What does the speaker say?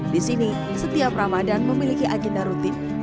di sini setiap ramadan memiliki agenda rutin